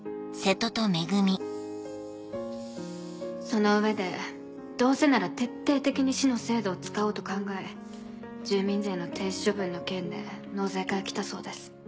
その上でどうせなら徹底的に市の制度を使おうと考え住民税の停止処分の件で納税課へ来たそうです。